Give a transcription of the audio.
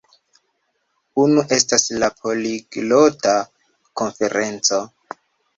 Unu estas la Poliglota Konferenco